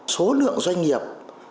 số lượng doanh nghiệp